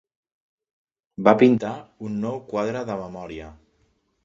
Va pintar un nou quadre de memòria.